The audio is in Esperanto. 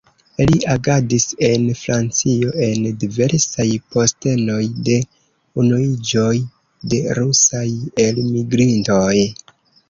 Li agadis en Francio en diversaj postenoj de Unuiĝoj de rusaj elmigrintoj.